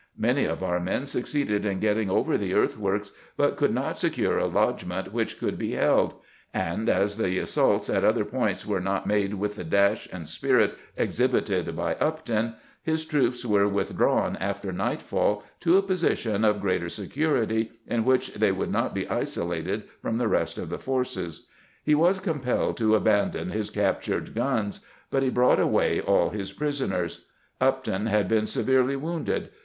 Many of our men succeeded in getting over the earthworks, but could not secure a lodgment which could be held; and as the assaults at other points were not made with the dash and spirit exhibited by Upton, his troops were withdrawn after nightfall to a position of greater security, in which they would not be isolated from the rest of the forces. He was compelled to abandon his captured guns, but he brought away all his prisoners. Upton had been severely wounded.